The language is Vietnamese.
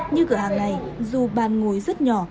như cửa hàng này dù bàn ngồi rất nhỏ